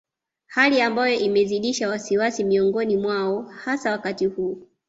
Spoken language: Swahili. Hali ambayo imezidisha wasiwasi miongoni mwao hasa wakati huu